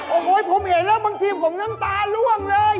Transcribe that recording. โอ้โหผมเห็นแล้วบางทีผมน้ำตาล่วงเลย